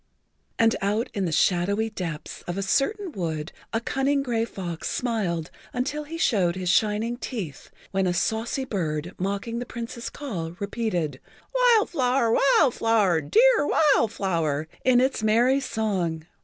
And out in the shadowy depths of a certain[Pg 43] wood a cunning gray fox smiled until he showed his shining teeth when a saucy bird, mocking the Prince's call, repeated, "Wild Flower! Wild Flower! Dear Wild Flower!" in its merry song.